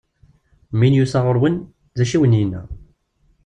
Mi n-yusa ɣur-wen, d acu i awen-yenna?